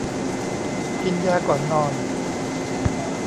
กินยาก่อนนอน